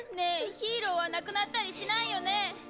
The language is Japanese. ヒーローはなくなったりしないよね？